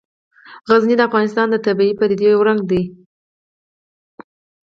غزني د افغانستان د طبیعي پدیدو یو رنګ دی.